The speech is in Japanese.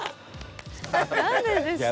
何でですか。